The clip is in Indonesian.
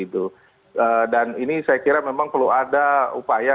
dan ini saya kira memang perlu ada upaya